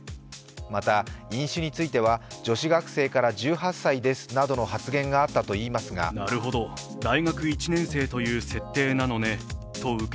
また、飲酒については、女子学生から１８歳ですなどの発言があったといいますがと釈明しました。